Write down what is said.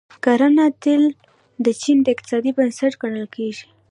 کرنه تل د چین د اقتصاد بنسټ ګڼل کیږي.